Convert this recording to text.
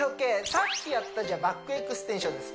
さっきやったバックエクステンションです